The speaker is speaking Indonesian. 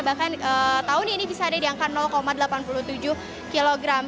bahkan tahun ini bisa ada di angka delapan puluh tujuh kilogram